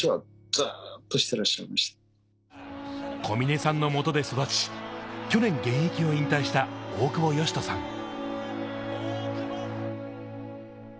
小嶺さんの元で育ち、去年現役を引退した大久保嘉人さん。